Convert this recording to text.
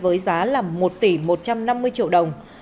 với giá là một tỷ một trăm năm mươi triệu đồng